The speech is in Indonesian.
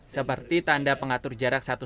seperti tanda pengatur jarak